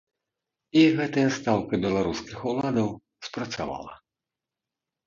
І гэтая стаўка беларускіх уладаў спрацавала.